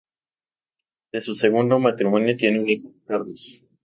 De su segundo matrimonio, tiene un hijo: Carlos.